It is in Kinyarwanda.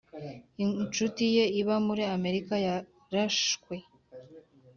inshuti ye iba muri Amerika yarashwe.